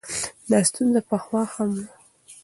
دا ستونزه پخوا هم وه.